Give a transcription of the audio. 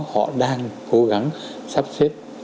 họ đang cố gắng sắp xếp